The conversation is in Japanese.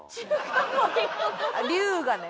「龍」がね。